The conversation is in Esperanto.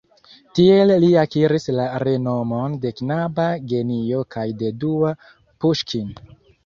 Tiel li akiris la renomon de knaba genio kaj de "dua Puŝkin".